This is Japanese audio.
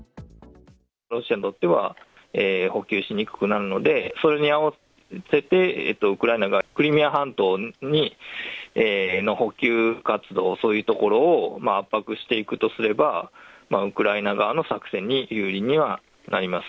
ロシアにとっては補給しにくくなるので、それに合わせてウクライナがクリミア半島への補給活動、そういうところを圧迫していくとすれば、ウクライナ側の作戦に有利にはなります。